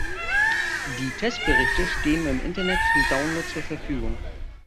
Die Testberichte stehen im Internet zum Download zur Verfügung.